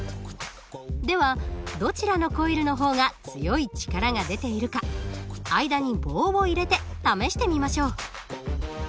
ではどちらのコイルの方が強い力が出ているか間に棒を入れて試してみましょう。